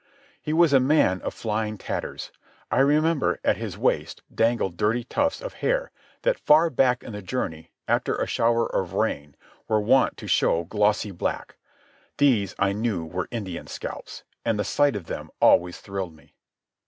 He was a man of flying tatters. I remember, at his waist, dangled dirty tufts of hair that, far back in the journey, after a shower of rain, were wont to show glossy black. These I knew were Indian scalps, and the sight of them always thrilled me.